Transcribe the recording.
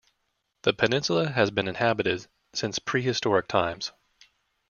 The peninsula has been inhabited since prehistoric times.